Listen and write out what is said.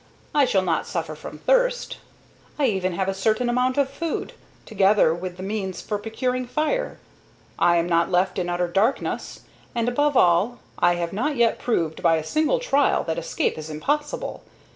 I shall not suffer from thirst. I even have a certain amount of food, together with the means for procuring fire. I am not left in utter darkness, and, above all, I have not yet proved by a single trial that escape is impossible.